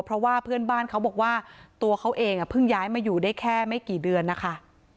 เพราะว่าเพื่อนบ้านเขาบอกว่าตัวเขาเองเพิ่งย้ายมาอยู่ได้แค่ไม่กี่เดือนนะคะ